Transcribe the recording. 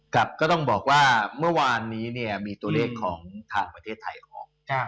ครับก็ต้องบอกว่าเมื่อวานนี้เนี่ยมีตัวเลขของทางประเทศไทยออก